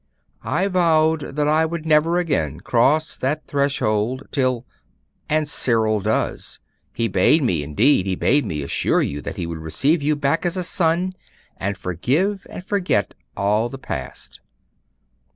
'I vowed that I would never again cross that threshold till ' 'And Cyril does. He bade me, indeed he bade me, assure you that he would receive you back as a son, and forgive and forget all the past.